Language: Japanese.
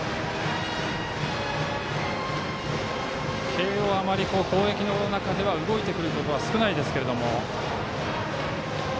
慶応は、あまり攻撃の中では動いてくることは少ないですけれども。